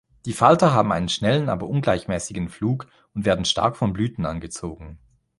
Die Falter haben einen schnellen, aber ungleichmäßigen Flug und werden stark von Blüten angezogen.